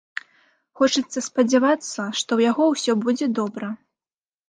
Хочацца спадзявацца, што ў яго ўсё будзе добра.